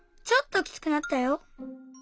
ちょっときつくなったよ。